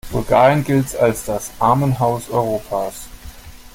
Bulgarien gilt als das Armenhaus Europas.